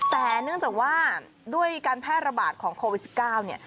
แต่เนื่องจากว่าด้วยการแพร่ระบาดของโควิด๑๙เนี่ย